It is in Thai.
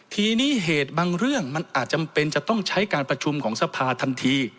ทีนี้เหตุบางเรื่องมันอาจจำเป็นจะต้องใช้การประชุมของสภาทันที